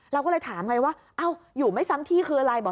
เราก็เลยถามไงว่าอยู่ไม่ซ้ำที่คืออะไรบอก